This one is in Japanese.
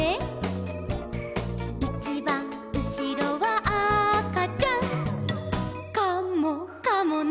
「いちばんうしろはあかちゃん」「カモかもね」